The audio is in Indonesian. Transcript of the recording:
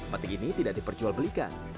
batik ini tidak diperjualbelikan